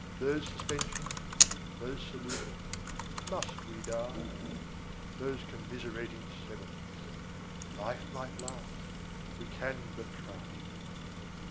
Those suspensions,° those solutions° "Must we die?" °20 Those commiserating sevenths° "Life might last! we can but try!"